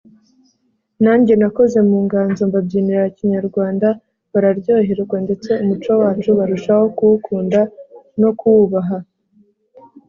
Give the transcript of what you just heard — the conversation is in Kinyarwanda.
nanjye nakoze mu nganzo mbabyinira Kinyarwanda bararyoherwa ndetse umuco wacu barushaho kuwukunda no kuwubaha